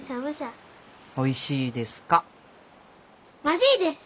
おいしいですか？